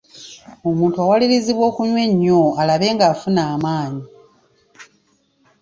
Omuntu awalirizibwa okunywa ennyo alabe ng'afuna amaanyi.